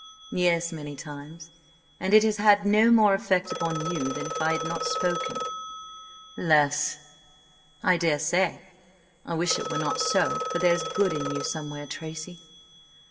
"Yes–many times. And it has had no more effect upon you than if I had not spoken." "Less." "I daresay. I wish it were not so, for there's good in you somewhere, Tracy."